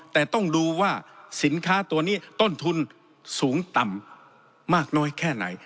แต่ต้องดูว่าสินค้าตัวนี้ต้นทุนสูงต่ำมากน้อยแค่ไหน